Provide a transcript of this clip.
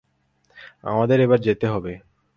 আমাদের এবার যেতে হবে।